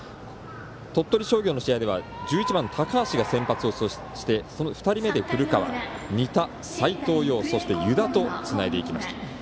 鳥取商業の試合では高橋が先発をしてその２人目の古川、仁田斎藤蓉、そして、湯田とつないでいきました。